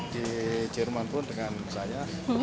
di jerman pun dengan saya